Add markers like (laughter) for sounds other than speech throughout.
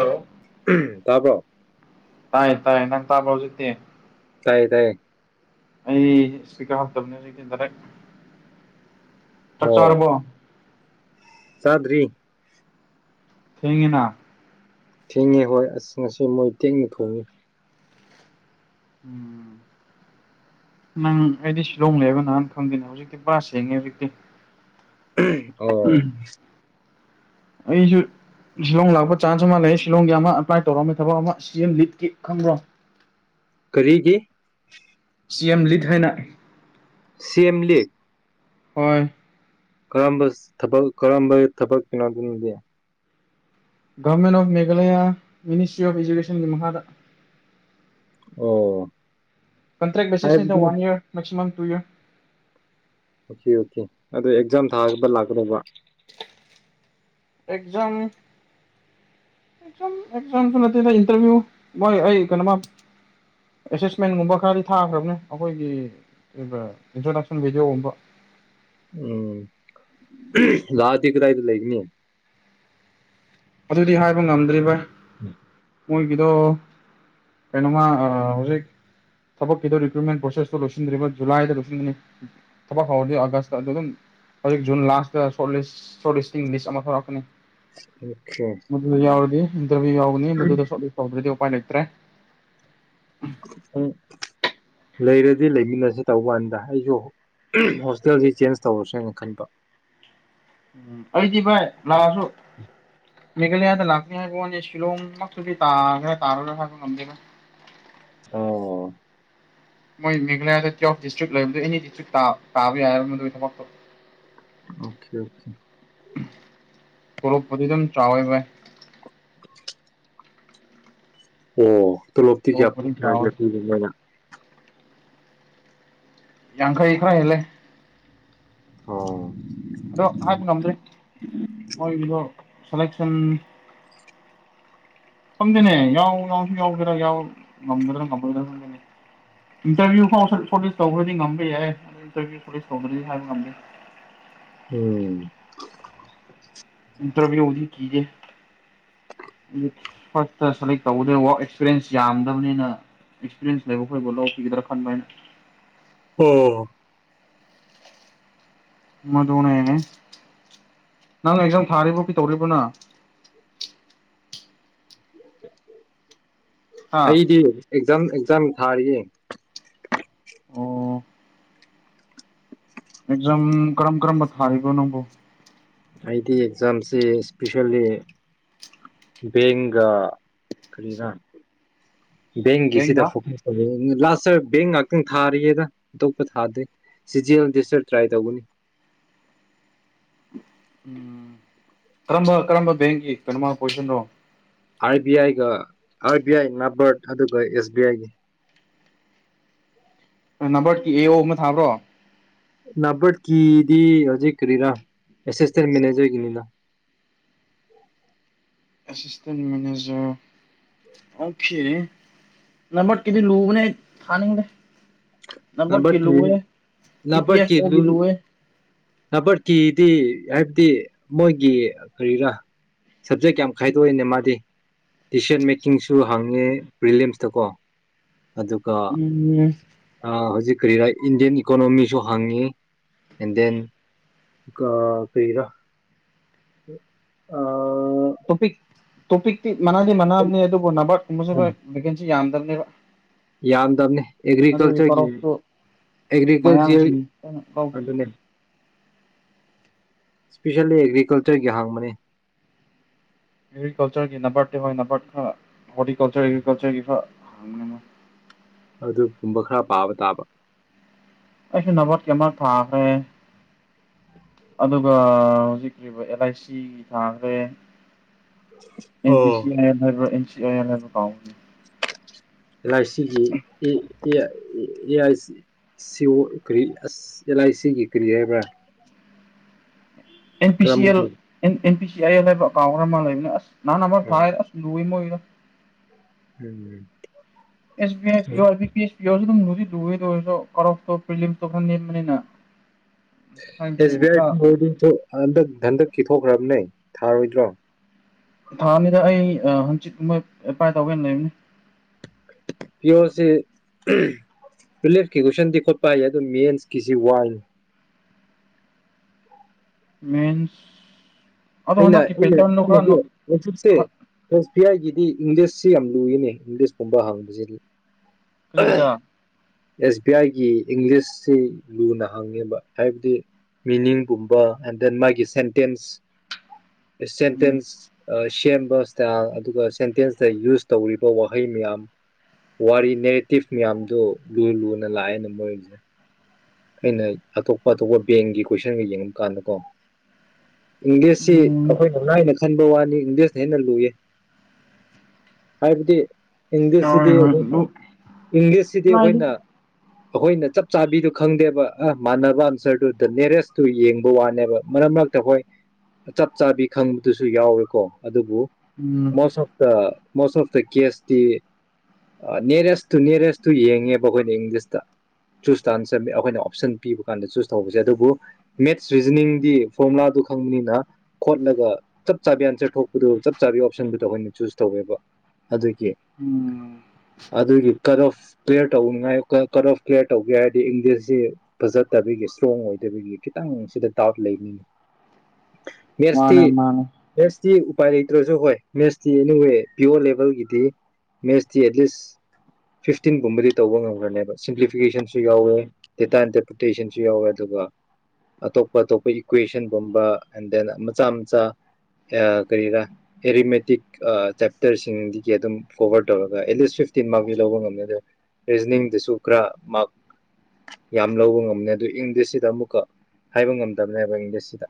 hello ꯇꯥꯕꯔꯣ ꯇꯥꯕ꯭ꯔ ꯍꯧꯖꯤꯛꯇꯦ ꯇꯥꯏꯌꯦ ꯇꯥꯏꯌꯦ ꯑꯩ ꯁꯤꯀꯥ ꯍꯜ ꯇꯕꯅꯦ ꯁꯤ ꯀꯦꯟꯗꯔꯦ ꯆꯛ ꯑꯣ ꯆꯥꯔꯕꯣ ꯆꯥꯗ꯭ꯔꯤ ꯊꯦꯡꯉꯦꯅ ꯊꯦꯡꯉꯤ ꯍꯣꯏ ꯑꯁ ꯉꯁꯤ ꯃꯣꯏ ꯇꯦꯛꯅ ꯊꯣꯡꯏꯤ ꯎꯝ ꯅꯪ ꯑꯩꯗꯤ ꯁꯤꯂꯣꯡ ꯂꯩꯕ ꯅꯍꯥꯟ ꯈꯪꯗꯦꯅꯦ ꯍꯧꯖꯤꯛꯇꯤ ꯕꯥꯁ ꯁꯦꯡꯉꯦ ꯍꯧꯖꯤꯛꯇꯤ ꯑꯣ ꯑꯩꯁꯨ ꯁꯤꯂꯣꯡ ꯂꯥꯛꯄ ꯆꯥꯟꯁ ꯑꯃ ꯂꯩ ꯁꯤꯂꯣꯡꯒꯤ ꯑꯃ ꯑꯦꯄ꯭ꯂꯥꯏ ꯇꯧꯔꯛꯑꯝꯃꯦ ꯊꯕꯛ ꯑꯃ ꯁꯤ ꯂꯤꯠꯀꯤ ꯈꯪꯕ꯭ꯔꯣ (unintelligible) (inaudible) ꯀꯔꯤꯒꯤ ꯁꯤ ꯑꯦꯝ ꯂꯤꯠ ꯍꯥꯏꯅ ꯁꯦꯝꯦꯝꯂꯤ ꯍꯣꯏ ꯀꯔꯝꯕ ꯊꯕꯛ ꯀꯔꯝꯕ ꯊꯕꯛꯀꯤꯅꯣꯗꯨꯅꯗꯤ government of Meghalaya ministry of ꯏꯖꯨꯀꯦꯁꯟꯒꯤ ꯃꯈꯥꯗ ꯑꯣ ꯀꯟꯇ꯭ꯔꯦ ꯕꯦꯁꯤꯁ ꯅꯤꯗ ꯍꯥꯏꯕꯗꯤ ꯋꯥꯟ ꯏꯔ ꯃꯦꯛꯃ ꯇꯨ ꯌꯔ ꯑꯣꯀꯦ ꯑꯣꯀꯦ ꯑꯗꯨ ꯑꯦꯛꯖꯥꯝ ꯊꯥꯕ ꯂꯥꯛꯀꯗꯧꯕ ꯑꯦꯛꯖꯝ ꯏ ꯀꯩꯅꯣ (unintelligible) ꯑꯦꯁꯦꯁꯃꯦꯟꯒꯨꯝꯕ ꯈꯔꯗꯤ ꯊꯥꯈ꯭ꯔꯕꯅꯦ ꯑꯩꯈꯣꯏꯒꯤ ꯏꯟꯇ꯭ꯔꯣꯗꯛꯁꯟ ꯚꯤꯗꯤꯑꯣꯒꯨꯝꯕ (inaudible) ꯎꯝ ꯂꯥꯛꯇ ꯀꯗꯥꯏꯗ ꯂꯩꯒꯅꯤ ꯑꯗꯨꯗꯤ ꯍꯥꯏꯕ ꯉꯝꯗ꯭ꯔꯤ ꯚꯥꯏ ꯎꯝ ꯃꯣꯏꯒꯤꯗꯣ ꯀꯩꯅꯣꯃ ꯍꯧꯖꯤꯛ ꯊꯕꯛꯀꯤꯗꯣ ꯔꯤꯀ꯭ꯔꯨꯠꯃꯦꯟ ꯄ꯭ꯔꯣꯁꯦꯁꯇ ꯂꯣꯏꯁꯤꯟꯗ꯭ꯔꯤꯕ ꯖꯨꯂꯥꯏꯗ ꯂꯣꯏꯁꯤꯟꯅꯤ ꯊꯕꯛ ꯍꯧꯔꯗꯤ ꯑꯥꯒꯁꯇ ꯑꯗꯨ ꯑꯗꯨꯝ ꯍꯧꯖꯤꯛ ꯖꯨꯟ ꯂꯥꯁꯇ ꯆꯣꯠꯂꯤꯁ ꯏ ꯂꯤꯁ ꯑꯃ ꯊꯣꯛꯔꯛꯀꯅꯤ ꯑꯣꯀꯦ ꯃꯗꯨꯗ ꯌꯥꯎꯔꯗꯤ ꯏꯟꯇꯔꯚꯤꯌꯨ ꯌꯥꯎꯒꯅꯤ ꯃꯗꯨꯗ ꯁꯣꯔꯠ ꯂꯤꯁ ꯇꯧꯗ꯭ꯔꯗꯤ ꯎꯄꯥꯏ ꯂꯩꯇ꯭ꯔꯦ ꯎꯝ ꯂꯩꯔꯗꯤ ꯂꯩꯃꯤꯟꯅꯁꯦ ꯇꯧꯕꯥꯟꯗ ꯑꯩꯁꯨ ꯍꯣꯁꯇꯦꯜꯁꯤ ꯆꯦꯟꯖ ꯇꯧꯔꯁꯦꯅ ꯈꯟꯕ ꯑꯩꯗꯤꯚꯥꯏ ꯂꯁꯨꯣ ꯃꯦꯘꯜꯌꯥꯗ ꯂꯥꯛꯀꯅꯤ ꯍꯥꯏꯕ ꯋꯥꯅꯦ ꯁꯤꯂꯣꯡꯃꯛꯇꯨꯗꯤ ꯇꯥ꯭ꯔꯥ ꯇꯥꯔꯔꯥ ꯍꯥꯏꯕ ꯉꯝꯗꯦꯕꯥ ꯑꯣ ꯃꯣꯏ ꯃꯦꯘꯥꯂꯌꯥꯗ ꯇ꯭ ꯑꯣꯐ ꯗꯤꯁꯇ꯭ꯔꯤꯛ ꯂꯩꯕꯗꯨ ꯑꯦꯅꯤ ꯗꯤꯁꯇ꯭ꯔꯤꯛ ꯇꯥꯕ ꯌꯥꯏꯔ ꯃꯗꯨ ꯊꯕꯛꯇ ꯇꯧ ꯑꯣꯀꯦ ꯑꯣꯀꯦ ꯄꯔꯣꯞꯄꯨꯖꯝ ꯆꯥꯎꯏ (inaudible) ꯑꯣ ꯇꯣꯂꯣꯞꯄꯨꯗꯤ ꯇꯣꯂꯣꯇꯤ ꯆꯥꯎꯋꯦ ꯀꯌꯥ ꯌꯥꯥꯡꯈ ꯌꯦ ꯈꯔ ꯍꯦꯂꯦ ꯑꯣ ꯑꯗꯣ ꯍꯥꯏꯕ ꯉꯝꯗ꯭ꯔꯦ ꯃꯣꯏꯒꯤꯗꯣ ꯁꯦꯂꯦꯛꯁꯟ ꯈꯡꯗꯦꯅꯦ ꯌꯥꯎ ꯌꯥꯎꯁꯨ ꯌꯥꯎꯗꯔꯥ ꯌꯥꯎ ꯉꯝꯒꯗ꯭ꯔꯥ ꯉꯝꯃꯗ꯭ꯔꯥ ꯁꯪꯗꯦꯅꯦ ꯏꯟꯇꯔꯚꯤꯌꯨ ꯐꯥꯎ ꯁꯣꯔꯇꯤꯁ ꯇꯧꯈ꯭ꯔꯗꯤ ꯉꯝꯕ ꯌꯥꯏ ꯏꯔꯚ ꯁꯇ ꯇꯧꯗ꯭ꯔꯗꯤ ꯍꯥꯏꯕ ꯉ (inaudible) ꯎꯝ ꯏꯟꯇ꯭ꯔꯚ꯭ꯨꯗꯤ ꯀꯖꯦ ꯐꯥꯔꯁꯇ ꯁꯦꯂꯦꯛ ꯇꯧꯕꯗ ꯋꯥꯛ ꯑꯦꯛꯁꯄꯤꯔꯤꯌꯦꯟꯁ ꯌꯥꯝꯗꯕꯅꯤꯅ ꯑꯦꯛꯁꯄꯤꯔꯤꯌꯦꯟꯁ ꯂꯩꯕ ꯑꯩꯈꯣꯏꯕꯣ ꯂ ꯑꯣꯄꯤꯒꯗ꯭ꯔꯥ ꯈꯟꯕꯅ ꯑꯣꯝ ꯃꯗꯨꯨꯅꯦꯅꯦ ꯅꯪꯅ ꯑꯦꯛꯖꯥꯝ ꯊꯥꯔꯤꯕ ꯀꯩ ꯇꯧꯔꯤꯕꯅꯣ ꯍꯥ ꯑꯩꯗꯤ ꯑꯦꯛꯖꯥꯝ ꯑꯦꯛꯖꯥꯝ ꯊꯥꯔꯤꯌꯦ ꯑꯣ ꯑꯦꯖꯝ ꯀꯔꯝ ꯀꯔꯝꯕ ꯊꯥꯔꯤꯔꯤꯕꯣ ꯅꯪꯕꯨꯣ ꯑꯩꯗꯤ ꯑꯦꯛꯖꯥꯝꯁꯤ ꯏꯁꯄꯤꯁꯦꯜꯂꯤ ꯕꯦꯡꯒꯥ ꯀꯔꯤꯅ ꯕꯦꯡꯒꯤꯁꯤꯗ ꯕꯦꯡꯒ ꯐꯣꯀꯁ ꯇꯧ ꯂꯥꯁꯔ ꯕꯦꯡ ꯉꯍꯥꯛꯇꯪ ꯊꯥꯔꯤꯌꯦꯗ ꯑꯇꯣꯞꯄ ꯊꯥꯗꯦ ꯁꯤꯖꯤ ꯑꯃꯗꯤꯁꯔ ꯇ꯭ꯔꯥꯏ ꯇꯧꯕꯅꯤ (inaudible) ꯎꯝ ꯀꯔꯝꯕ ꯀꯔꯝꯕ ꯕꯦꯡꯀꯤ ꯀꯩꯅꯃ position to R B I ꯅꯕꯔꯠ ꯑꯗꯨꯒ ꯑꯦꯁ ꯕꯤ ꯑꯥꯏꯒꯤ ꯅꯝꯕꯔꯠꯀꯤ ꯑꯦ ꯑꯣ ꯑꯃ ꯊꯥꯕ꯭ꯔꯣ ꯚꯔꯠꯀꯤꯗꯤ ꯍꯧꯖꯤꯛ ꯀꯔꯤꯔꯥ ꯑꯦꯁꯤꯁꯇꯦꯟ ꯃꯦꯅꯦꯖꯔꯒꯤꯅꯤꯅ (inaudible) ꯑꯦꯇꯦꯟ ꯃꯅꯦꯖꯔ ꯑꯣ ꯅꯝꯕ ꯀꯗꯤ ꯂꯨꯕꯅꯦ ꯊꯥꯅꯤꯡꯗꯦ ꯅꯝꯕꯀꯤ ꯂꯦ ꯅꯥꯕꯔꯠꯀꯤ ꯏ ꯄꯤ ꯑꯦꯐ ꯑꯣꯒꯤ ꯂꯦ ꯕꯔꯀꯤꯗꯤ ꯍꯥꯏꯕꯗꯤ ꯃꯣꯏꯒꯤ ꯀꯔꯤꯔꯥ ꯁꯞꯖꯦꯛ ꯌꯥꯝ ꯈꯥꯏꯗꯣꯛꯏꯅꯦ ꯃꯥꯗꯤ ꯇꯤꯁꯟ ꯃꯦꯀꯤꯡꯁꯨ ꯍꯥꯡꯉꯦ ꯄ꯭ꯔꯤꯂꯤꯌꯝꯁꯇꯀꯣ ꯑꯗꯨꯒ ꯎꯝ ꯍꯧꯖꯤꯛ ꯀꯔꯤꯔ ꯏꯟꯗꯤꯌꯟ ꯏꯀꯣꯅꯣꯃꯤꯁꯨ ꯍꯪꯉꯤ ꯑꯦꯟ ꯗꯦꯟ ꯑ ꯀꯩꯔ ꯑ ꯇꯣꯄꯤꯛ ꯇꯣꯄꯤꯛꯇꯤ ꯃꯅꯥꯗꯤ ꯃꯅꯥꯅꯕꯅꯦ ꯑꯗꯨꯕꯨ ꯅꯕꯥꯠꯀꯨꯝꯕꯁꯤ ꯚꯦꯀꯦꯟꯁꯤ ꯌꯥꯝꯗꯕꯅꯦꯕ ꯌꯥꯝꯗꯕꯅꯤ ꯑꯗꯨꯒꯤ ꯑꯦꯒ꯭ꯔꯤꯀꯜꯆꯔꯒꯤ ꯀꯣꯔꯁꯇꯨ ꯑꯦꯒ꯭ꯀꯜꯆꯔꯦꯜ ꯃꯌꯥꯡꯁꯤꯡ ꯀꯟꯅ ꯂꯧꯈꯤꯕ ꯑꯗꯨꯅꯦ ꯏꯁꯄꯤꯁꯦꯜꯂꯤ ꯑꯦꯒ꯭ꯔꯤꯀꯜꯆꯔꯒꯤ ꯍꯥꯡꯕꯅꯤ ꯑꯦꯒ꯭ꯔꯤꯀꯜꯆꯔꯒꯤ ꯅꯥꯄꯥꯔꯠꯇꯦ ꯍꯣꯏ ꯅꯥꯄꯥꯛꯔꯠ ꯈꯔ ꯍꯣꯔꯇꯤꯀꯜꯆꯔ ꯑꯦꯒ꯭ꯔꯤꯀꯜꯆꯔꯒꯤ ꯈꯔ ꯑꯥꯡꯅ ꯑꯃ ꯑꯗꯨꯒꯨꯝꯕ ꯈꯔ ꯄꯥꯕ ꯇꯥꯕ ꯑꯩ ꯁ ꯅꯕꯠ ꯀꯤ ꯑꯃ ꯊꯥꯈ꯭ꯔꯦ ꯑꯗꯨꯒ ꯍꯧꯖꯤꯛꯔꯤꯕ ꯑꯦꯜ ꯑꯥꯏ ꯁꯤ ꯊꯥꯈ꯭ꯔꯦ ꯑꯦꯟ ꯄꯤ ꯑꯣ ꯁꯤꯥꯏ ꯑꯦ ꯑꯦꯟ ꯁꯤꯥꯏ ꯍꯥꯏꯕ ꯀꯥꯎ ꯂꯥꯏꯁꯤꯒꯤ ꯑꯦꯏ ꯁꯤ ꯑꯣ ꯀꯔꯤ ꯑꯁ ꯑꯦꯜ ꯑꯥꯏ ꯁꯤꯒꯤ ꯀꯔꯤ ꯍꯥꯏꯕ꯭ꯔꯥ ꯑꯦꯟ ꯄꯤ ꯁꯤ ꯀꯔꯝꯕ L N P C I L ꯍꯥꯏꯕ ꯑꯦꯀꯥꯎꯟ ꯈꯔ ꯑꯃ ꯂꯩꯕꯅꯦ ꯑꯁ ꯅ ꯅ ꯑꯃ ꯊꯥꯏ ꯂꯨꯏ ꯃꯣꯏꯒꯤꯗꯣ ꯎꯝ ꯑꯦꯁ ꯕꯤ ꯑꯥꯏ ꯄꯤꯑꯣ ꯑꯥꯢ ꯕꯤ ꯄꯤ ꯑꯦꯁ ꯄꯤꯌꯣꯁꯨ ꯑꯗꯨꯝ ꯂꯨꯗꯤ (unintelligible) ꯑꯦꯁ ꯍꯥꯏꯗꯤ ꯕꯤ ꯈꯔ ꯑꯥꯏꯡꯁꯨ ꯍꯟꯗꯛ ꯍꯟꯗꯛ ꯀꯤꯊꯣꯛꯈ꯭ꯔꯕꯅꯦ ꯊꯥꯔꯣꯏꯗ꯭ꯔꯣ ꯊꯥꯅꯤꯗ ꯑꯩ ꯍꯪꯆꯤꯠꯀꯨꯝꯕꯣꯏ ꯑꯦꯄ꯭ꯂꯥꯏ ꯇꯧꯕꯦꯅ ꯂꯩꯕꯅꯤ ꯁꯤꯔꯤ ꯂꯦꯐꯀꯤ ꯀꯣꯏꯁꯟꯗꯤ ꯈꯣꯠꯄ ꯍꯥꯏꯌꯦ ꯑꯗꯨ ꯃꯦꯟꯁꯀꯤꯁꯤ ꯋꯥꯏꯅꯤ ꯃꯦꯟꯁ ꯑꯗꯣ ꯑꯩꯅ ꯍꯟꯗꯛꯀꯤ ꯄꯦꯇꯔꯟꯗꯣ ꯈꯔ ꯑꯆꯁꯦ ꯑꯦꯁ ꯕꯤ ꯑꯥꯏꯒꯤ ꯏꯪꯂꯤꯁꯁꯤ ꯌꯥꯝ ꯂꯨꯏꯅꯦ ꯏꯪꯂꯤꯁꯀꯨꯝꯕ ꯍꯥꯡꯕꯁꯤ ꯀꯔꯤꯒꯤꯗ ꯑꯦꯁ ꯕꯤ ꯑꯥꯏꯒꯤ ꯏꯪꯂꯤꯁꯁꯤ ꯂꯨꯅ ꯍꯪꯉꯦꯕ ꯍꯥꯏꯕꯗꯤ ꯃꯤꯅꯤꯡꯒꯨꯝꯕ ꯑꯦꯟ ꯗꯦꯟ ꯃꯥꯒꯤ ꯁꯦꯟꯇꯦꯟꯁ ꯎꯝ ꯁꯦꯟꯇꯦꯟ ꯁꯦꯝꯕ ꯏꯁꯇꯥꯏꯜ ꯑꯗꯨꯒ ꯁꯦꯟꯇꯦꯟꯁꯇ ꯌꯨꯁ ꯇꯧꯔꯤꯕ ꯋꯥꯍꯩ ꯃꯌꯥꯝ ꯋꯥꯔꯤ ꯅꯦꯔꯦꯇꯤꯞ ꯃꯌꯥꯝꯗꯣ ꯂꯨꯅ ꯂꯨꯅ ꯂꯥꯛꯑꯦꯅ ꯃꯣꯏꯁꯦ ꯑꯩꯅ ꯑꯇꯣꯞꯄ ꯑꯇꯣꯞꯄ ꯕꯦꯡꯒꯤ ꯀꯣꯏꯁꯟꯒ ꯌꯦꯡꯕ ꯀꯥꯟꯗꯀꯣ ꯏꯪꯂꯤꯁꯁꯤ ꯎꯝ ꯑꯩꯈꯣꯏꯅ ꯍꯥꯏꯅ ꯈꯟ ꯋꯥꯅꯤ ꯏꯪꯂꯤꯁꯅ ꯍꯦꯟꯅ ꯂꯨꯌꯦ ꯍꯥꯏꯕꯗꯤ ꯏꯪꯂꯤꯁꯁꯤꯗꯤ ꯍꯣꯏ ꯍꯣꯏ ꯑꯩꯈꯣꯏꯅ ꯑꯗꯨ ꯏꯪꯂꯤꯁꯁꯤꯗꯤ ꯂꯥꯏꯗ ꯑꯩꯈꯣꯏꯅ ꯑꯩꯈꯣꯏꯅ ꯆꯞ ꯆꯥꯕꯤꯗꯨ ꯈꯪꯗꯦꯕ ꯑ ꯃꯥꯟꯅꯕ ꯑꯟꯁꯔꯗꯨ ꯗ ꯅꯦꯔꯦꯁ ꯇꯨ ꯌꯦꯡꯕ ꯋꯥꯅꯦꯕ ꯃꯔꯛ ꯃꯔꯛꯇ ꯍꯣꯏ ꯆꯞ ꯆꯥꯕꯤ ꯈꯪꯕꯗꯨꯁꯨ ꯌꯥꯎꯋꯦꯀꯣ ꯑꯗꯨꯕꯨ ꯎꯝ most of the most of the case ꯇꯤ ꯅꯤꯌꯔꯦꯁꯇꯨ ꯅꯤꯌꯔꯦꯁꯇꯨ ꯌꯦꯡꯉꯦꯕ ꯑꯩꯈꯣꯏꯅ ꯏꯪꯂꯤꯁꯇ ꯆꯨꯁꯇꯥꯟ ꯑꯩꯈꯣꯏꯅ ꯑꯣꯞꯁꯟ ꯄꯤꯕ ꯀꯥꯟꯗ ꯆꯨꯁ ꯇꯧꯕꯁꯦ ꯑꯗꯨꯕꯨ ꯃꯦꯠꯁ ꯔꯤꯖꯅꯤꯡꯗꯤ ꯐꯣꯔꯃꯨꯂꯥꯗꯨ ꯈꯪꯕꯅꯤꯅ ꯈꯣꯠꯂꯒ ꯆꯞ ꯆꯥꯕꯤ ꯑꯟꯁꯔ ꯊꯣꯛꯄꯗꯨ ꯆꯞ ꯆꯥꯕꯤ ꯑꯣꯞꯁꯟꯗꯨꯗꯣ ꯑꯩꯈꯣꯏꯅ ꯆꯨꯁ ꯇꯧꯋꯦꯕ ꯑꯗꯨꯒꯤ ꯎꯝ ꯑꯗꯨꯒꯤ ꯀꯠ ꯑꯣꯐ ꯀꯂꯤꯌꯥꯔ ꯇꯧ ꯀꯔ ꯑꯣꯐ ꯀꯂꯤꯌꯥꯔ ꯇꯧꯒꯦ ꯍꯥꯏ ꯗꯤ ꯏꯪꯂꯤꯁꯁꯤ ꯐꯖꯠꯇꯕꯒꯤ ꯏꯁꯇ꯭ꯔꯣꯡ ꯑꯣꯏꯗꯕꯒꯤ ꯈꯤꯇꯪ ꯁꯤꯗ ꯗꯥꯎꯠ ꯂꯩꯅꯤꯅꯤ ꯃꯦꯁꯇꯤ ꯃꯥꯅꯦ ꯃꯥꯅꯦ ꯁꯤ ꯎꯄꯥꯏ ꯂꯩꯇ꯭ꯔꯁꯨ ꯍꯣꯏ ꯃꯦꯠꯁꯇꯤ ꯑꯦꯅꯤꯋꯦ ꯄꯤꯌꯣ ꯂꯦꯚꯦꯜꯒꯤꯗꯤ ꯃꯦꯠꯁꯇꯤ ꯑꯦꯠꯂꯤꯁ ꯐꯤꯐꯇꯤꯟꯒꯨꯝꯕꯗꯤ ꯇꯧꯕ ꯉꯝꯈ꯭ꯔꯅꯦꯕ ꯁꯤꯝꯄ꯭ꯂꯤꯐꯤꯀꯦꯁꯟ ꯌꯥꯎꯋꯦ ꯗꯥꯇꯥ ꯏꯟꯇꯔꯄꯤꯇꯦꯁꯟꯁꯨ ꯌꯥꯎꯋꯦ ꯑꯗꯨꯒ ꯑꯇꯣꯞ ꯑꯇꯣꯞꯄ ꯏꯀ꯭ꯋꯦꯁꯟꯒꯨꯝꯕ ꯑꯦꯟ ꯗꯦꯟ ꯃꯆꯥ ꯃꯆꯥ ꯀꯔꯤꯔꯥ ꯑꯦꯔꯤꯃꯦꯇꯤꯛ ꯆꯦꯞꯇꯔꯁꯤꯡꯗꯒꯤ ꯑꯗꯨꯝ ꯀꯣꯚꯔ ꯇꯧꯔꯒ ꯑꯦꯠꯂꯤꯁ ꯐꯤ ꯐꯤꯐꯇꯤꯟ ꯃꯥꯔꯛꯗꯤ ꯂꯧꯕ ꯉꯝꯃꯦ ꯑꯗꯣ ꯔꯤꯖꯅꯤꯡꯗꯨꯁꯨ ꯈꯔ ꯃꯥꯔꯛ (unintelligible) ꯌꯥꯝ ꯂꯧꯕꯥ ꯉꯝꯅꯦ ꯑꯗꯨ ꯏꯪꯂꯤꯁꯁꯤꯗ ꯑꯃꯨꯛꯀ ꯍꯥꯏꯕ ꯉꯝꯗꯕꯅꯦꯕ ꯏꯪꯂꯤꯁꯁꯤꯗꯥ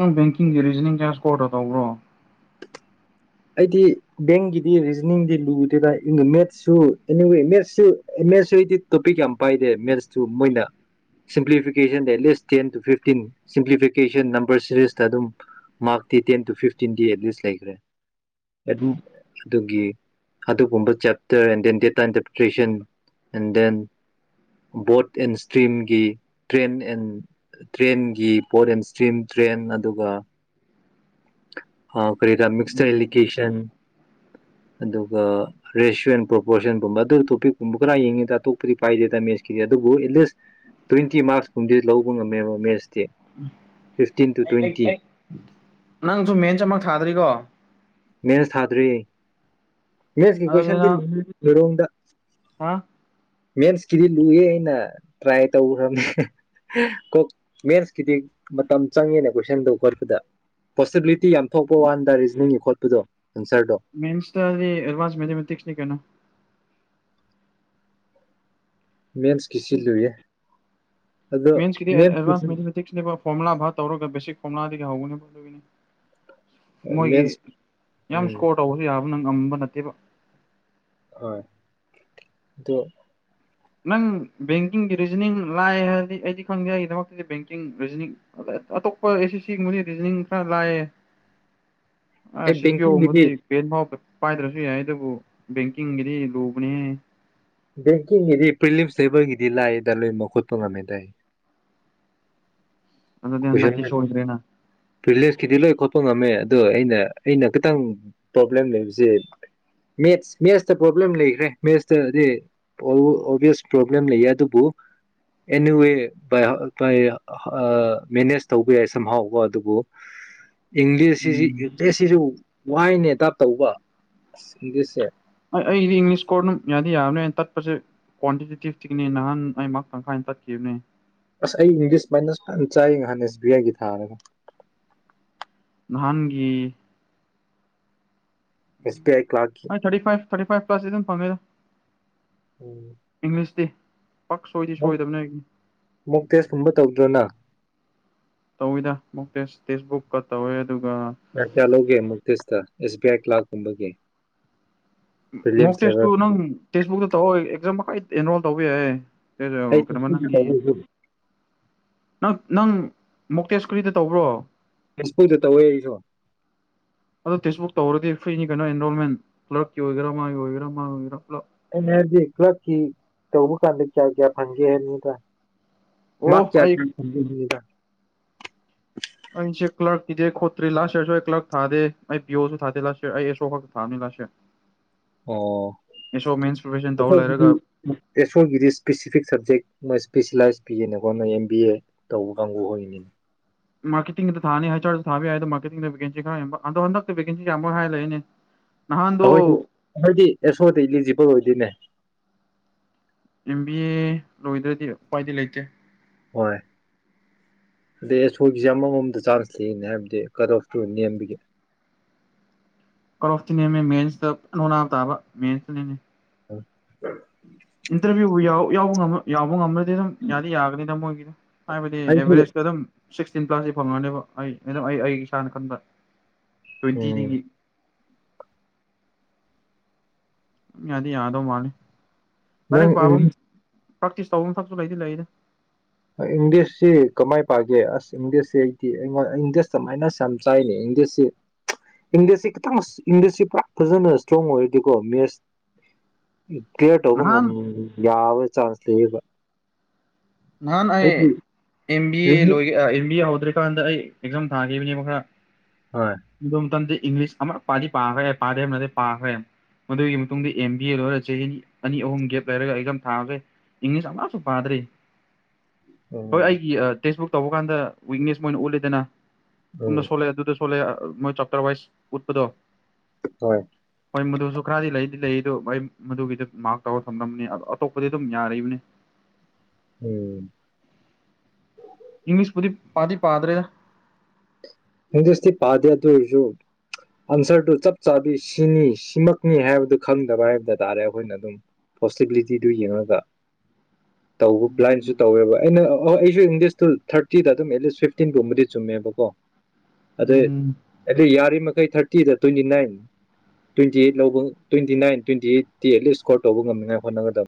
ꯎꯝ ꯕꯦꯡꯀꯤꯡꯒꯤ ꯔꯤꯖꯅꯤꯡ ꯀ꯭ꯔꯥꯁ ꯀ꯭ꯔꯣꯁꯇ ꯇꯧꯕ꯭ꯔꯣ (unintelligible) ꯑꯩꯗꯤ ꯕꯦꯡꯒꯤꯗꯤ ꯔꯤꯖꯅꯤꯡꯗꯤ ꯂꯨꯗꯦꯗꯥ ꯃꯦꯠꯁꯨ ꯑꯦꯅꯤꯋꯦ ꯃꯦꯠꯁꯤ ꯃꯦꯠꯗꯤ ꯇꯣꯄꯤꯛ ꯌꯥꯝ ꯄꯥꯏꯗꯦ ꯃꯦꯠꯁꯇꯨ ꯃꯣꯏꯅ ꯁꯤꯝꯄ꯭ꯂꯤꯐꯤꯀꯦꯁꯟꯗ at least ten to fifteen simplification number ꯁꯤꯔꯤꯁꯇ ꯑꯗꯨꯝ ꯃꯥꯔꯛꯇꯤ ꯇꯦꯟ ꯇꯨ ꯐꯤꯐꯇꯤꯟꯗꯤ ꯑꯦꯠꯂꯤꯁ ꯂꯩꯈ꯭ꯔꯦ ꯑꯗꯨꯒꯤ ꯑꯗꯨꯒꯨꯝꯕ chapter and then data interpretation and then boat and ꯏꯁꯇ꯭ꯔꯤꯝꯒꯤ ꯇ꯭ꯔꯦꯟ ꯑꯦꯟ ꯇ꯭ꯔꯦꯟꯒꯤ ꯕꯣꯠ ꯑꯦꯟ ꯏꯁꯇ꯭ꯔꯤꯝ ꯇ꯭ꯔꯦꯟ ꯑꯗꯨꯒ ꯑꯥ ꯀꯔꯤꯔꯉ ꯃꯤꯁꯇꯔ ꯎꯝ ꯑꯦꯂꯤꯀꯦꯁꯟ ꯑꯗꯨꯒ ꯔꯦꯁꯤꯑꯣ ꯑꯦꯟ ꯄ꯭ꯔꯣꯄꯣꯁꯟꯒꯨꯝꯕ ꯑꯗꯨ ꯇꯣꯄꯤꯛꯀꯨꯝꯕ ꯈꯔ ꯌꯦꯡꯉꯤꯗ ꯑꯇꯣꯞꯄꯗꯤ ꯄꯥꯏꯗꯦꯗꯥ ꯃꯦꯠꯁꯀꯤꯗꯤ ꯑꯗꯨꯕꯨ ꯑꯦꯠꯂꯤꯁ ꯇ꯭ꯋꯦꯟꯇꯤ ꯃꯥꯔꯛꯁ ꯀꯨꯝꯕꯗꯤ ꯂꯧꯕ ꯉꯝꯃꯦꯕ ꯃꯦꯠꯁꯇꯤ ꯐꯤꯐꯇꯤꯟ ꯇꯨ ꯑꯩ ꯑꯩ ꯇ꯭ꯋꯦꯟꯇꯤ ꯑꯩ ꯅꯪꯁꯨ ꯃꯦꯟꯁ ꯑꯃ ꯊꯥꯗ꯭ꯔꯤꯀꯣ ꯃꯦꯁ ꯊꯥꯗ꯭ꯔꯤ ꯃꯦꯠꯁꯀꯤ ꯑꯗꯨꯗꯤ ꯀꯣꯏꯁꯟꯗꯤ ꯍꯣꯏꯔꯣꯡꯗ ꯅꯪ ꯃꯦꯟꯁꯀꯤꯗꯤ ꯂꯨꯌꯦ ꯑꯩꯅ ꯇ꯭ꯔꯥꯏ ꯇꯧꯈ꯭ꯔꯕꯅꯦ ꯀꯣ ꯃꯦꯠꯁꯀꯤꯗꯤ ꯃꯇꯝ ꯆꯪꯉꯦꯅ ꯀꯣꯏꯁꯟꯗꯨ ꯍꯣꯠꯄꯗ ꯄꯣꯁꯤꯕꯤꯂꯤꯇꯤ ꯌꯥꯝ ꯊꯣꯛꯄ ꯋꯥꯟꯗ ꯔꯤꯖꯅꯤꯡꯒꯤ ꯍꯣꯠꯄꯗꯣ ꯃꯦꯁꯇꯗꯤ ꯑꯦꯚꯁ ꯃꯦꯊꯃꯦꯇꯁ ꯀꯩꯅꯣ ꯃꯦꯟꯁꯀꯤꯁꯤ ꯂꯨꯏꯌꯦ ꯑꯗꯣ ꯃꯦꯟꯁꯀꯤꯗꯤ ꯃꯦꯟꯁ ꯑꯦꯕꯥꯁ ꯃꯦꯊꯃꯦꯇꯤꯁꯅꯦꯕ ꯐꯣꯔꯃꯨꯂꯥ ꯇꯧꯔꯒ ꯕꯦꯁꯤꯛ ꯐꯣꯔꯃꯨꯂꯥꯗꯒꯤ ꯍꯧꯕꯅꯦꯕ ꯑꯗꯨꯒꯤꯅꯤ ꯃꯣꯏꯒꯤ ꯃꯦꯟꯁ ꯌꯥꯝ ꯎꯝ ꯏꯁꯀꯣꯔ ꯇꯧꯕꯁꯨ ꯌꯥꯕ ꯉꯝꯕꯁꯨ ꯅꯠꯇꯦꯕꯥ ꯍꯣꯏ ꯅꯪ ꯕꯦꯡꯀꯤꯡꯒꯤ ꯔꯤꯖꯅꯤꯡ ꯂꯥꯛꯑꯦ ꯍꯥꯏꯔꯗꯤ ꯑꯩꯗꯤ ꯈꯪꯗꯦ ꯑꯩꯒꯤꯗꯃꯛꯇꯗꯤ ꯕꯦꯡꯀꯤꯡ ꯔꯤꯖꯅꯤꯡ ꯑꯇꯣꯞꯄ ꯑꯦꯁꯤꯁꯤ ꯒꯨꯝꯕꯅꯤ ꯔꯤꯖꯅꯤꯡ ꯈꯔ ꯂꯥꯏꯑꯦ ꯑꯩ ꯑꯔꯁꯤꯄꯤꯌꯣ ꯕꯦꯡꯀꯤꯡꯒꯤꯗꯤ ꯐꯥꯎꯕꯗꯤ ꯕꯦꯡ ꯐꯥꯎꯗ ꯄꯥꯏꯗ꯭ꯔꯁꯨ ꯌꯥꯏ ꯑꯗꯨꯕꯨ ꯕꯦꯡꯀꯤꯡꯒꯤꯗꯤ ꯂꯨꯕꯅꯤꯍꯦ ꯕꯦꯡꯀꯤꯒꯤꯗꯤ ꯄ꯭ꯔꯤꯂꯤꯞꯁ ꯂꯩꯕꯒꯤꯗꯤ ꯂꯥꯏ ꯗ ꯂꯣꯏꯃꯛ ꯍꯣꯠꯄ ꯉꯝꯃꯦꯗꯥ ꯑꯗꯨꯗꯤ ꯍꯟꯗꯛꯇꯤ ꯁꯣꯏꯗ꯭ꯔꯦ ꯅꯪ ꯄ꯭ꯔꯤꯂꯤꯞꯁꯀꯤꯗꯤ ꯂꯣꯏ ꯈꯣꯠꯄ ꯉꯝꯃꯦ ꯑꯗꯣ ꯑꯩꯅ ꯑꯩꯅ ꯈꯤꯇꯪ ꯄ꯭ꯔꯣꯕ꯭ꯂꯦꯝ ꯂꯩꯕꯁꯦ ꯃꯦꯠꯁ ꯃꯦꯠꯁꯇ ꯄ꯭ꯔꯣꯕ꯭ꯂꯦꯝ ꯂꯩꯈ꯭ꯔꯦ ꯃꯦꯠꯁꯇꯗꯤ ꯑꯣꯚꯌꯁ ꯄ꯭ꯔꯣꯕ꯭ꯂꯦꯝ ꯂꯩꯌꯦ ꯑꯗꯨꯕꯨ ꯑꯦꯅꯤꯋꯦ ꯕꯥ ꯕꯥ ꯃꯦꯅꯦꯖ ꯇꯧꯕ ꯌꯥꯏ ꯁꯝ ꯍꯥꯎ ꯕꯠ ꯑꯗꯨꯕꯨ ꯏꯪꯂꯤꯁ ꯎꯝ ꯁꯤ (unintelligible) ꯋꯥꯏꯅꯦ ꯇꯥꯏꯞ ꯇꯧꯕ (unintelligible) ꯑꯩꯗꯤ ꯏꯪꯂꯤꯁ ꯀꯣꯔꯠꯅꯝ ꯌꯥꯗꯤ ꯌꯥꯕꯅꯦ ꯇꯠꯄꯁꯦ ꯀ꯭ꯋꯥꯟꯇꯤꯇꯤꯇꯤꯛꯅꯤ ꯅꯍꯥꯟ ꯑꯩꯃꯛ ꯇꯪꯈꯥꯏ ꯃ ꯇꯠꯈꯤꯕꯅꯤ ꯑꯁ ꯑꯩ ꯏꯪꯂꯤꯁ ꯃꯥꯏꯅꯁ ꯐꯖꯟ ꯆꯥꯏ ꯅꯍꯥꯟ ꯑꯦꯁ ꯕꯤ ꯑꯥꯏꯒꯤ ꯊꯥꯔꯒ ꯅꯍꯥꯟꯒꯤ ꯑꯦꯁ ꯕꯤ ꯑꯥꯏ ꯀ꯭ꯂꯥꯔꯛꯀꯤ thirty five thirty five plus T ꯑꯗꯨꯝ ꯐꯪꯅꯤꯗ ꯎꯝ ꯏꯪꯂꯤꯁꯇꯤ ꯄꯛ ꯁꯣꯏꯗꯤ ꯁꯣꯏꯗꯕꯅꯦ ꯑꯩꯒꯤ ꯃꯣꯛ ꯇꯦꯁꯀꯨꯝꯕ ꯇꯧꯗ꯭ꯔꯣ ꯅꯪ ꯇꯧꯏꯗ ꯃꯣꯛ ꯇꯦꯁ ꯇꯦꯏꯁꯕꯨꯛꯀ ꯇꯧꯑꯦ ꯀꯌꯥ ꯀꯌꯥ ꯂꯧꯒꯦ ꯃꯣꯛ ꯇꯦꯏꯁ ꯇ ꯑꯦꯁ ꯕꯤ ꯑꯥꯏ ꯀ꯭ꯂ ꯀꯨꯝꯕꯒꯤ ꯃꯣꯛ ꯇꯦꯁꯇꯨ ꯅꯪ ꯇꯦꯛꯁꯕꯨꯛꯇ ꯇꯧ ꯑꯦꯛꯖꯥꯝ ꯃꯈꯥꯏ ꯑꯦꯟꯔꯣꯜ ꯇꯧꯕ ꯌꯥꯏꯦ ꯑꯩ ꯑꯣ ꯀꯩꯅꯃ ꯇꯦꯖꯄꯨꯔꯗ ꯅꯪꯒꯤ ꯇꯧꯋꯦ ꯑꯩꯁꯨ ꯅꯪ ꯅꯪ ꯃꯣꯛꯇꯦꯁꯀꯨꯔꯤꯗ ꯇꯧꯕ꯭ꯔꯣ ꯁꯄꯨꯗ ꯇꯧꯋꯦ ꯑꯩꯁ‌ꯣ ꯑꯗꯣ ꯇꯦꯛꯁꯕꯨꯛ ꯇꯧꯔꯗꯤ ꯐꯅꯤ ꯀꯩꯅꯣ ꯑꯦꯟꯔꯣꯜꯃꯦꯟ ꯀ꯭ꯂꯞꯀꯤ ꯑꯣꯏꯒꯦꯔꯥ ꯃꯥꯒꯤꯒꯦꯔꯥ ꯃꯥꯒꯤ ꯑꯣꯏꯒꯦꯔꯥ ꯄꯨ ꯃ ꯗꯈꯂ ꯀ ꯇꯧꯕ ꯀꯥꯟꯗ ꯀꯌꯥ ꯀꯌꯥ ꯐꯪꯒꯦ ꯍꯥꯏꯅꯤ ꯇ ꯑꯣ ꯃꯥꯛ ꯀꯌꯥ ꯑꯩ ꯀꯌꯥ ꯑꯩꯁꯦ ꯀ꯭ꯂꯔꯛꯀꯤꯗꯦ ꯈꯣꯠꯇ꯭ꯔꯤ ꯂꯥꯁ ꯌꯔꯁꯨ ꯑꯩ ꯀ꯭ꯂꯔꯛ ꯊꯥꯗꯦ ꯑꯩ ꯕꯤꯌꯁꯨ ꯊꯥꯗꯦ ꯂꯥꯁ ꯌꯔ ꯑꯩ ꯑꯦꯁ ꯑꯣ ꯈꯛꯇ ꯊꯥꯕꯅ‌ꯦ ꯑꯥꯁ ꯑꯣ ꯇꯧꯔ ꯑꯩꯈꯣꯏꯒꯤꯗꯤ ꯂꯩꯔꯒ ꯏꯁꯣꯏꯒꯤꯗꯤ ꯏꯁꯄꯦꯁꯤꯐꯤꯛ ꯁꯕꯖꯦꯛ ꯅꯣꯏ ꯏꯁꯄꯤꯦꯁꯦꯂꯥꯏꯁ ꯄꯤꯒꯦꯅꯀꯣ ꯅꯣꯏ ꯑꯦꯝ ꯕꯤ ꯑꯦ ꯇꯧꯕ ꯀꯥꯡꯕꯨ ꯍꯔꯤꯅꯤꯅ ꯃꯥꯔꯀꯦꯇꯤꯡꯗ ꯊꯥꯅꯤ ꯍꯥꯏꯁꯨ ꯊꯥꯕ ꯌꯥ ꯍꯥꯏꯗꯣ ꯃꯥꯔꯀꯦꯗꯀꯁꯤ ꯈꯔ ꯑꯟꯗ ꯍꯟꯗꯛꯇꯚꯀꯦꯟꯁꯤ ꯌꯥꯝ ꯍꯥꯏꯔ ꯂꯩꯅꯦ (inaudible) ꯑꯩꯈꯣꯏꯗꯤ ꯑꯩꯈꯣꯏꯗꯤ ꯑꯦꯁꯣꯗ ꯏꯂꯤꯖꯤꯕꯜ ꯑꯣꯏꯗꯣꯏꯅꯦ ꯑꯦꯝ ꯕꯤ ꯑꯦ ꯂꯣꯏꯗ꯭ꯔꯗꯤ ꯎ꯭ꯋꯥꯏꯗꯤ ꯂꯩꯇꯦ ꯍꯣꯏ ꯑꯗꯩ ꯑꯁꯣꯏꯒꯤꯁꯦ ꯑꯃꯃꯝꯗ ꯆꯥꯟꯁ ꯂꯩꯅꯤ ꯍꯥꯏꯕꯗꯤ ꯀꯠ ꯑꯣꯐꯇꯨ ꯅꯦꯝꯕꯒꯤ ꯀꯇꯃꯦ ꯃꯦꯟꯁꯇꯅꯥ ꯇꯥꯕꯦꯟꯇ ꯑꯥ ꯏꯟꯇꯔꯚꯤꯌꯨ ꯌꯥꯎꯕ ꯌꯥꯎꯕ ꯉꯝꯃ ꯑꯗꯨꯝ ꯌꯥꯗꯤ ꯌꯥꯒꯅꯤ ꯅꯃꯣꯏꯒꯤꯗ ꯍꯥꯏꯕꯗꯤ ꯑꯩꯁꯨ ꯑꯦꯚꯔꯦꯁ ꯑꯗꯨꯝ ꯁꯤꯛꯁꯇꯤꯟ ꯄ꯭ꯂꯥꯁꯁꯤ ꯐꯪꯉꯅꯦꯕ ꯑꯩ ꯃꯦꯝ ꯑꯩ ꯑꯩ ꯏꯁꯥꯅ ꯈꯟꯕ ꯎꯝ ꯇ꯭ꯋꯦꯟꯇꯤꯗꯒꯤ ꯑꯗꯤ ꯌꯥꯗ ꯃꯥꯅꯤ ꯅꯪ ꯏꯪ ꯄ꯭ꯔꯥꯛꯇꯤꯁ ꯇꯧꯕ ꯑꯃ ꯊꯛꯁꯨ ꯂꯩꯇ ꯂꯩꯗ ꯏꯪꯂꯤꯁꯁꯤ ꯀꯃꯥꯏꯅ ꯄꯥꯒꯦ ꯑꯁ ꯏꯪꯂꯤꯁꯁꯤ ꯑꯩꯗꯤ ꯑꯩꯉꯣꯟ ꯏꯪꯂꯤꯁ ꯀꯃꯥꯏꯅ ꯌꯥꯝ ꯆꯥꯏꯅꯤ ꯍꯗꯁ ꯏꯪꯗꯦꯁꯁꯤ ꯈꯤꯇꯪ ꯏꯪꯁꯁꯤ ꯄꯨꯔꯥ ꯐꯖꯅ ꯏꯁꯇ꯭ꯔꯣꯡ ꯑꯣꯏꯔꯗꯤꯀꯣ ꯃꯦꯁ ꯀ꯭ꯂꯤꯌꯥꯔ ꯇꯧꯕ ꯉꯝ ꯅꯍꯥꯟ ꯌꯥꯕ ꯆꯥꯟꯁ ꯂꯩꯌꯦꯕ ꯅꯍꯥꯟ ꯑꯩ ꯑꯩꯗꯤ ꯑ‌ꯦꯝꯕꯤ ꯑꯦ ꯂꯣꯏ ꯑꯦ ꯑꯗꯨꯏꯀꯥꯟꯗ ꯑꯩ ꯑꯦꯛꯖꯥꯝ ꯊꯥꯈꯤꯕꯅꯦꯕ ꯈꯔ ꯍꯣꯏ ꯅꯤꯡꯗꯣꯝ ꯃꯇꯝꯗꯤ ꯏꯪꯂꯤꯁ ꯑꯃ ꯄꯗꯤ ꯄꯦ ꯄꯥꯅꯗꯤ ꯄꯥ꯭ꯔꯦ ꯃꯗꯨꯒꯤ ꯃꯇꯨꯡꯗ ꯑꯦꯝ ꯕꯤ ꯑꯦ ꯂꯣꯏꯔ ꯆꯍꯤ ꯑꯅꯤ ꯑꯅꯤ ꯑꯍꯨꯝ ꯒꯦꯞ ꯂꯩꯔꯒ ꯑꯩꯒꯝ ꯊꯥꯒꯦ ꯏꯪꯂꯤꯁ ꯑꯁꯨ ꯄꯥꯗ꯭ꯔꯔꯤ ꯍꯣꯏ ꯎꯝ ꯑꯩꯒꯤ ꯇꯦꯛꯁ ꯕꯨꯛ ꯇꯧꯕ ꯀꯥꯟꯗ ꯋꯤꯛꯅꯦꯁ ꯃꯣꯏꯅ ꯎꯠꯂꯦꯗꯅ ꯎꯝ ꯁꯣꯝꯗ ꯁꯣꯂꯛꯑꯦ ꯑꯗꯨꯗ ꯁꯣꯜꯛꯑꯦ ꯃꯣꯏ ꯆꯥꯞꯇꯔ ꯋꯥꯏꯁ ꯎꯠꯄꯗꯣ ꯍꯣꯏ ꯍꯣꯏ ꯃꯗꯨꯁꯨ ꯈꯔꯗꯤ ꯂꯩꯗꯤ ꯂꯩ ꯑꯗꯨ ꯑꯩ ꯃꯗꯨꯒꯤꯗꯨ ꯃꯥ ꯇꯧꯒ ꯊꯝꯂꯝꯅꯕꯅꯤ ꯑ ꯑꯇꯣꯞꯄꯗꯤ ꯑꯗꯨꯝ ꯌꯥꯔꯤꯕꯅꯤ ꯎꯝ ꯎꯝ ꯌꯃꯤꯁ ꯄꯨꯗꯤ ꯄꯥꯗꯤ ꯄꯥꯗ꯭ꯔꯦꯗ ꯍꯁꯦ ꯄꯥꯗ ꯑꯗꯨꯁꯨ ꯑꯟꯁꯔꯗꯨ ꯆꯞ ꯆꯥꯕꯤ ꯁꯤꯅꯤ ꯁꯤꯃꯛꯅꯤ ꯍꯥꯏꯕꯗꯨ ꯈꯪꯗꯕ ꯍꯥꯏꯕꯗ ꯇꯥꯔꯦ ꯑꯩꯈꯣꯏꯅ ꯑꯗꯨꯝ ꯄꯣꯁꯤꯕꯤꯂꯤꯇꯤꯗꯨ ꯌꯦꯡꯉꯒ ꯇꯧꯕ ꯄ꯭ꯂꯥꯏꯟꯁꯨ ꯎꯝ ꯇꯧꯋꯦꯕ ꯑꯩꯅ ꯑ ꯑꯩꯁꯨ ꯏꯪꯂꯤꯁ ꯇꯨ ꯊꯥꯔꯇꯤꯗ ꯑꯗꯨꯝ ꯑꯦꯠꯂꯤꯁ ꯐꯤꯐꯇꯤꯟꯒꯨꯝꯕꯗꯤ ꯆꯨꯝꯃꯦꯕꯀꯣ ꯑꯗ ꯑꯦꯂꯤ ꯌꯥꯔꯤꯃꯩ ꯊꯥꯔꯇꯤꯗ ꯇ꯭ꯋꯦꯟꯇꯤ ꯅꯥꯏꯟ ꯇ꯭ꯋꯦꯟꯇꯤ ꯑꯩꯠ ꯂꯧꯕ ꯇ꯭ꯋꯦꯟꯇꯤ ꯏꯟ ꯇ꯭ꯋꯦꯟꯇꯤ ꯑꯩꯠꯇꯤꯠꯂꯤ ꯏꯁꯀꯣꯔ ꯇꯧꯕ ꯉꯅꯉꯥꯏ ꯍꯣꯠꯅꯒꯗꯕ